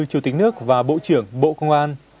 chủ tịch nước và bộ trưởng bộ công an